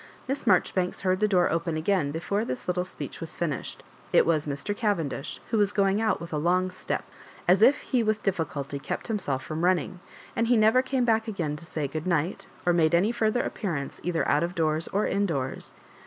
Miss Maijoribanks heard the door open again before this little speech was finished. It was Mr. Cavendish, who was going out with a long step, as if he with difficulty kept himself from running; and he never came back again to say good night, or made any further appearance either out of doors or indoors.